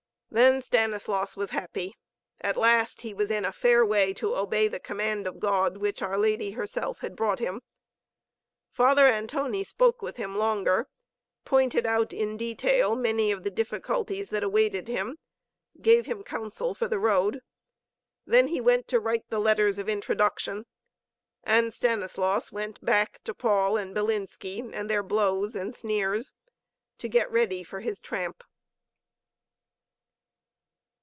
Then Stanislaus was happy. At last he was in a fair way to obey the command of God, which our Lady herself had brought him. Father Antoni spoke with him longer, pointed out in detail many of the difficulties that awaited him, gave him counsel for the road. Then he went to write the letters of introduction, and Stanislaus went back to Paul and Bilinski and their blows and sneers, to get ready for his tramp.